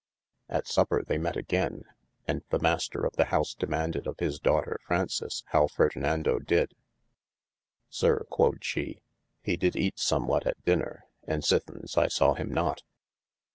At supper they met againe, and the maister of the house demanded of his daughter Fraunces howe Fardinando did ? Syr (quod she) he dyd eate somewhat at dyner, and sithens I sawe him not.